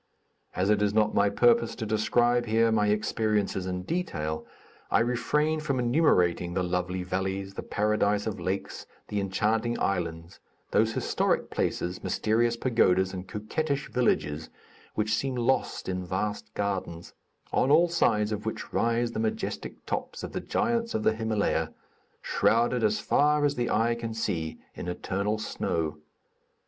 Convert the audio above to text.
As it is not my purpose to describe here my experiences in detail, I refrain from enumerating the lovely valleys, the paradise of lakes, the enchanting islands, those historic places, mysterious pagodas, and coquettish villages which seem lost in vast gardens; on all sides of which rise the majestic tops of the giants of the Himalaya, shrouded as far as the eye can see in eternal snow.